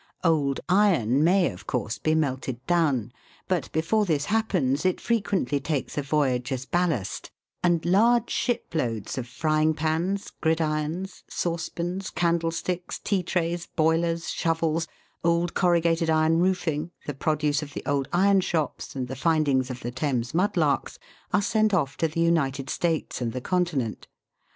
Old iron may, of course, be melted down, but before this happens it frequently takes a voyage as ballast, and large shiploads of frying pans, gridirons, saucepans, candlesticks, tea trays, boilers, shovels, old corrugated iron roofing, the produce of the old iron shops, and the findings of the Thames mud larks, are sent off to the United States and the Continent.